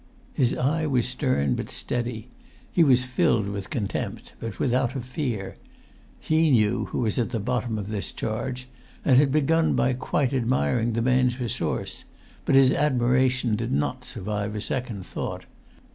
His eye was stern but steady; he was filled with contempt, but without a fear. He knew who was at the bottom of this charge, and had begun by quite admiring the man's resource; but his admiration did not survive a second thought.